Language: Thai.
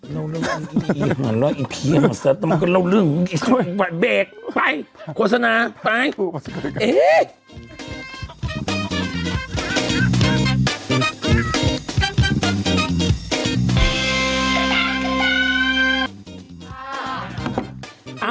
เล่าเรื่องอะไรอย่างนี้ไอ้หัวหน้าร้อยไอ้เพียงเหมาะเสียต้องก็เล่าเรื่องอะไรอย่างนี้เบรกไปโฆษณาไปเอ๊ะ